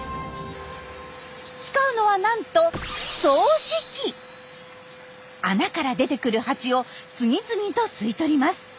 使うのはなんと穴から出てくるハチを次々と吸い取ります。